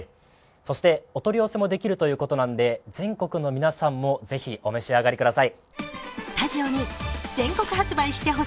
そして、お取り寄せもできるということなので、全国の皆さんもぜひお召し上がりください。